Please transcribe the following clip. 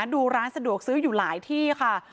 ดูร้านสะดวกซื้ออยู่หลายที่ค่ะ